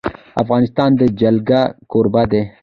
افغانستان د جلګه کوربه دی.